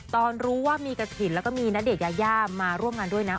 ตอนรู้ว่ามีกระถิ่นแล้วก็มีณเดชนยายามาร่วมงานด้วยนะ